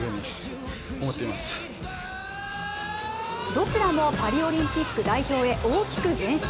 どちらもパリオリンピック代表へ大きく前進。